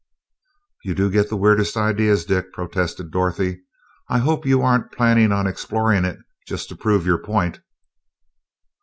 "You do get the weirdest ideas, Dick!" protested Dorothy. "I hope you aren't planning on exploring it, just to prove your point?"